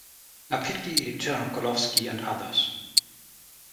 "Napitki iz Chernogolovki", and others.